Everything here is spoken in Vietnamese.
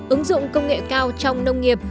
ứng dụng công nghệ cao trong nông nghiệp